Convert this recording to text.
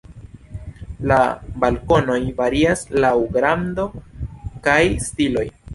La balkonoj varias laŭ grando kaj stiloj.